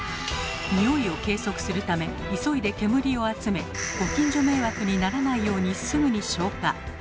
ニオイを計測するため急いで煙を集めご近所迷惑にならないようにすぐに消火。